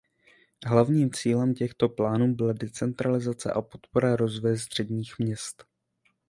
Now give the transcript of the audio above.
Hlavním cílem těchto plánů byla decentralizace a podpora rozvoje středních měst.